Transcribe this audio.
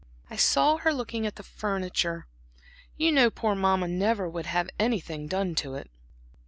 "I saw her looking at the furniture. You know poor Mamma never would have anything done to it."